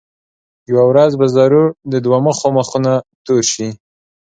یوه ورځ به ضرور د دوه مخو مخونه تور شي.